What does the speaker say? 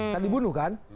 kan dibunuh kan